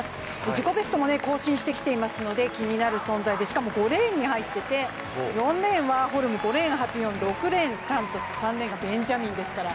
自己ベストも更新してますので気になる存在でしかも５レーンに入っていて、４レーン、ワーホルム５レーン、ハピオ６レーン、サントス３レーンがベンジャミンですから。